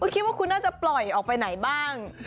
คิดว่าคุณน่าจะปล่อยออกไปไหนบ้าง